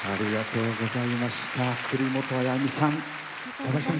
佐々木さん